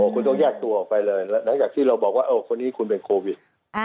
คุณต้องแยกตัวออกไปเลยหลังจากที่เราบอกว่าคนนี้คุณเป็นโควิด